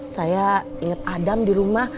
saya ingat adam di rumah